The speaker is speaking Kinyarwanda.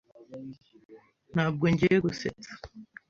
Ntabwo ngiye gusetsa .